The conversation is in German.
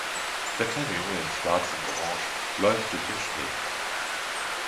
Der kleine Junge in Schwarz und Orange läuft durch den Schnee.